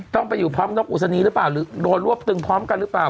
ต้องไปอยู่พร้อมนกอุศนีหรือเปล่าหรือโดนรวบตึงพร้อมกันหรือเปล่า